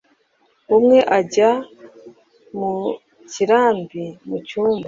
umwe ajya mukirambi(mucyumba)